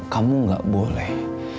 aida kamu gak boleh